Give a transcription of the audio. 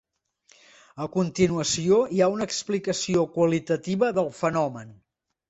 A continuació hi ha una explicació qualitativa del fenomen.